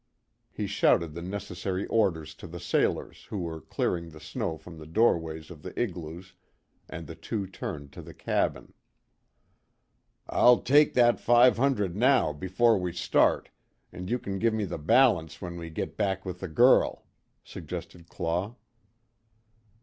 He shouted the necessary orders to the sailors who were clearing the snow from the doorways of the igloos, and the two turned to the cabin. "I'll take that five hundred now, before we start, an' you kin give me the balance when we git back with the girl," suggested Claw.